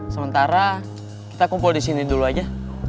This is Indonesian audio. sementara kita kumpul di sini dulu aja